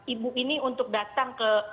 ibu ini untuk datang ke